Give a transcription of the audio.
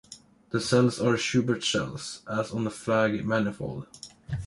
The cells are Schubert cells, as on the flag manifold.